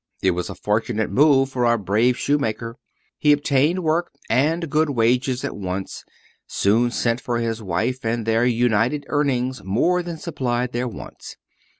It was a fortunate move for our brave shoemaker. He obtained work and good wages at once, soon sent for his wife, and their united earnings more than supplied their wants.